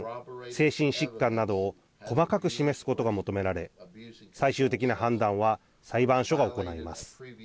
精神疾患などを細かく示すことが求められ最終的な判断は裁判所が行います。